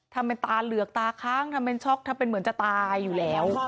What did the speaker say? ถ้าเหมือนตาเหลือกตาคล้างถ้าเหมือนชกเหมือนจะตายอยู่แล้ว